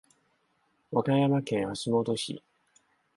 和歌山県橋本市